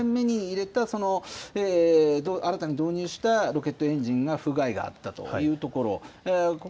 ２段目に入れた、新たに導入したロケットエンジンが、不具合があったというところ。